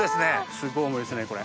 すごい重いですねこれ。